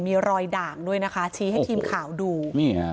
มีรอยด่างด้วยนะคะชี้ให้ทีมข่าวดูนี่ฮะ